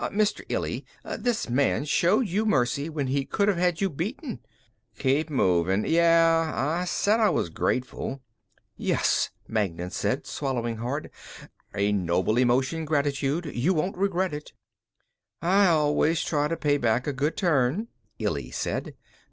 "Mr. Illy, this man showed you mercy when he could have had you beaten." "Keep moving. Yeah, I said I was grateful." "Yes," Magnan said, swallowing hard. "A noble emotion, gratitude. You won't regret it." "I always try to pay back a good turn," Illy said.